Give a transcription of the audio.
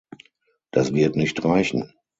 Das wird nicht reichen.